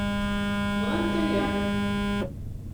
Bɣant aya.